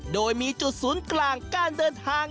โดยมีจุดศูนย์กลางการเดินทาง